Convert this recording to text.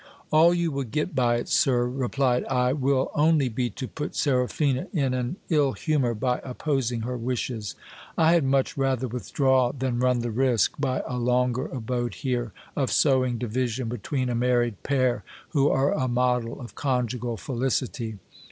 All you will get by it, sir, replied I, will only be to put Seraphina in an ill humour by opposing her wishes. I had much rather withdraw than run the risk, by a longer abode here, of sowing division between a married pair, who are a model of conjugal felicity.